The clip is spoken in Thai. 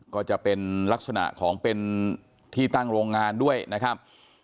ก็จะเป็นลักษณะของเป็นที่ตั้งโรงงานด้วยนะครับ